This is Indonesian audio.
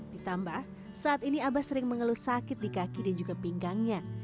ditambah saat ini abah sering mengeluh sakit di kaki dan juga pinggangnya